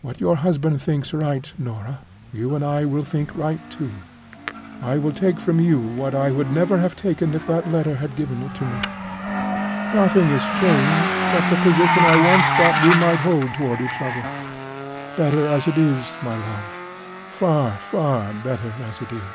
What your husband thinks right, Norah, you and I will think right too. I will take from you what I would never have taken if that letter had given it to me. The end I dreamed of has come. Nothing is changed but the position I once thought we might hold toward each other. Better as it is, my love—far, far better as it is!"